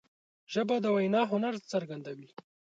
ژبه د وینا هنر څرګندوي